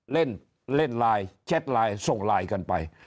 เล่นเล่นไลน์แชทไลน์ส่งไลน์กันไป